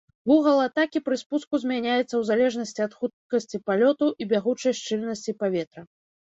Вугал атакі пры спуску змяняецца ў залежнасці ад хуткасці палёту і бягучай шчыльнасці паветра.